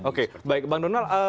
oke baik bang donald